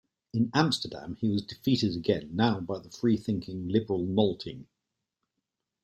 In Amsterdam he was defeated again, now by the freethinking liberal Nolting.